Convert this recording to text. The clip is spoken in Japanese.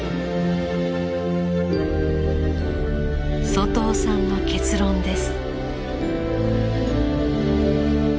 外尾さんの結論です。